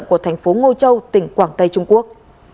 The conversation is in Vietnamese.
của thành phố ngô châu tỉnh quảng tây trung quốc